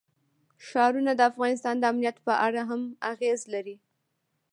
ښارونه د افغانستان د امنیت په اړه هم اغېز لري.